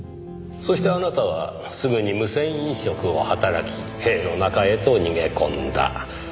そしてあなたはすぐに無銭飲食を働き塀の中へと逃げ込んだ。